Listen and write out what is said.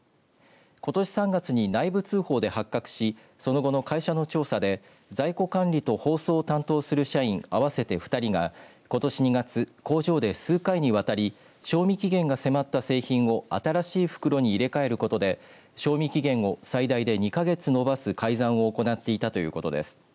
ことし３月に内部通報で発覚しその後の会社の調査で在庫管理と包装を担当する社員合わせて２人がことし２月、工場で数回にわたり賞味期限が迫った製品を新しい袋に入れ替えることで賞味期限を最大で２か月延ばす改ざんを行っていたということです。